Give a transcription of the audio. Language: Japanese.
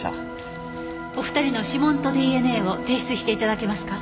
お二人の指紋とＤＮＡを提出していただけますか？